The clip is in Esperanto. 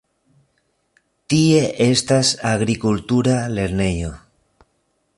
Tie estas agrikultura lernejo.